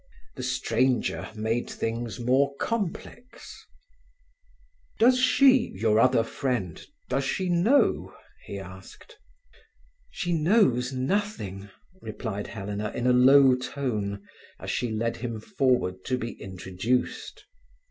The stranger made things more complex. "Does she—your other friend—does she know?" he asked. "She knows nothing," replied Helena in a low tone, as she led him forward to be introduced.